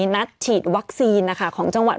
นัดฉีดวัคซีนนะคะของจังหวัด